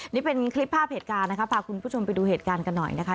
นี่เป็นคลิปภาพเหตุการณ์นะคะพาคุณผู้ชมไปดูเหตุการณ์กันหน่อยนะคะ